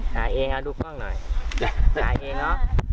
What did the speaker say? หาเองดูกล้องหน่อยหาเองเนอะ